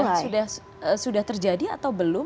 selama ini kan sudah terjadi atau belum